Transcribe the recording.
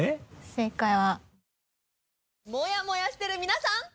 正解は。